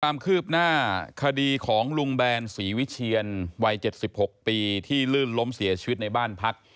ความคืบหน้าคดีของลุงแบนศรีวิเชียนวัย๗๖ปีที่ลื่นล้มเสียชีวิตในบ้านพัก